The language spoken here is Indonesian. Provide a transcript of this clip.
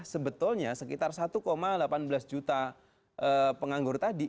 sebetulnya sekitar satu delapan belas juta penganggur tadi